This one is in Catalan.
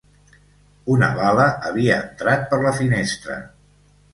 Una bala havia entrat per la finestra